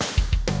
terima kasih bang